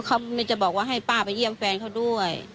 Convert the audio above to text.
เขาจะบอกว่าให้ป้าไปเยี่ยมแฟนเขาด้วย